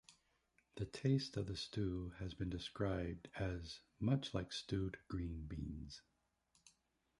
The taste of the stew has been described as much like stewed green beans.